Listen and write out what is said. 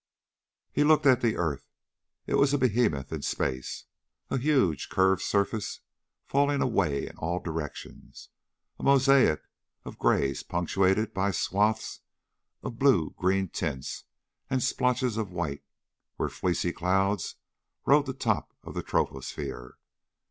He looked at the earth. It was a behemoth in space; a huge curved surface falling away in all directions; a mosaic of grays punctuated by swaths of blue green tints and splotches of white where fleecy clouds rode the top of the troposphere.